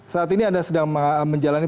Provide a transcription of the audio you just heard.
saat ini anda sedang menjalani